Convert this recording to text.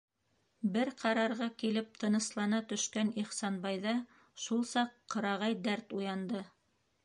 Бер ҡарарға килеп тыныслана төшкән Ихсанбайҙа шул саҡ ҡырағай дәрт уянды.